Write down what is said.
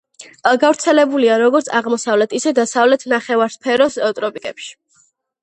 გავრცელებულია როგორც აღმოსავლეთ, ისე დასავლეთ ნახევარსფეროს ტროპიკებში.